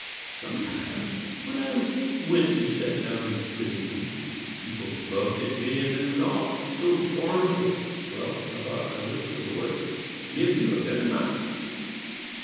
Sometimes, when I went to set down in the sitting rooms, people looked at me and moved off so scornful! Well, I thought, I wish the Lord would give you a better mind."